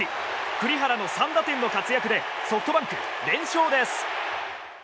栗原の３打点の活躍でソフトバンク連勝です。